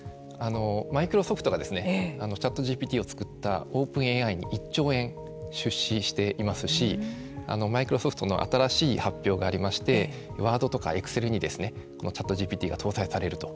マイクロソフトがＣｈａｔＧＰＴを作ったＯｐｅｎＡＩに１兆円出資していますしマイクロソフトの新しい発表がありましてワードとかエクセルにＣｈａｔＧＰＴが搭載されると。